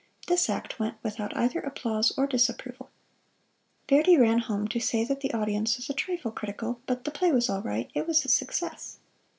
This act went without either applause or disapproval. Verdi ran home to say that the audience was a trifle critical, but the play was all right it was a success!